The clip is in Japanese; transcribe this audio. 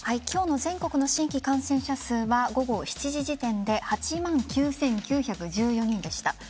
今日の全国の新規感染者数は午後７時時点で８万９９１４人でした。